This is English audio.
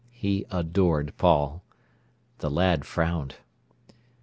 He adored Paul. The lad frowned.